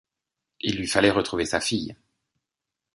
Il lui fallait retrouver sa fille !